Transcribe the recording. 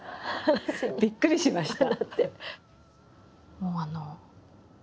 びっくりしました。